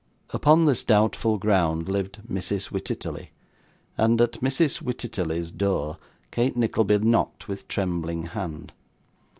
Upon this doubtful ground, lived Mrs. Wititterly, and at Mrs. Wititterly's door Kate Nickleby knocked with trembling hand.